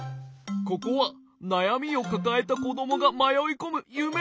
ここはなやみをかかえたこどもがまよいこむゆめのせかいさ！